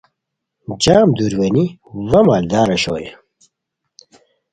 جم دُور وینی وا مالدار اوشوئے